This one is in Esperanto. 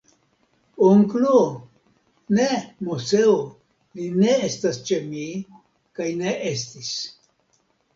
Onklo!? Ne, Moseo, li ne estas ĉe mi, kaj ne estis.